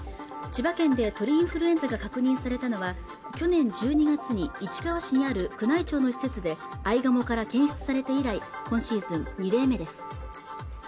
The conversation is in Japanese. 千葉県で鳥インフルエンザが確認されたのは去年１２月に市川市にある宮内庁の施設で合鴨から検出されて以来今シーズン２例目です